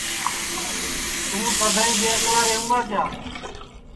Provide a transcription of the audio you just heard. توں سدائیں بے اکلا رہوں گا کیا